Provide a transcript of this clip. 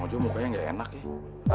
mojo mukanya gak enak ya